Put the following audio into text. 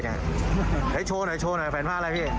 เดี๋ยวให้โชว์หน่อยแฝนภาพอะไรพี่